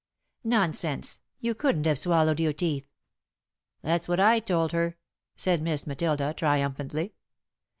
"Nonsense! You couldn't have swallowed your teeth!" "That's what I told her," said Miss Matilda, triumphantly.